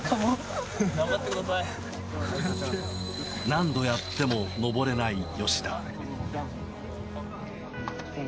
何度やっても登れない吉田。